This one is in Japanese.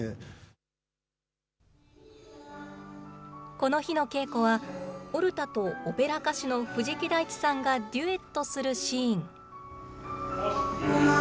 この日の稽古は、オルタとオペラ歌手の藤木大地さんがデュエットするシーン。